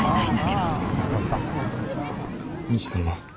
未知さんは？